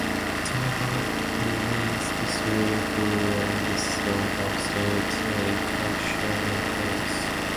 They have released three full lengths on Absolutely Kosher Records.